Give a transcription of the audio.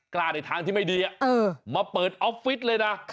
ในทางที่ไม่ดีมาเปิดออฟฟิศเลยนะ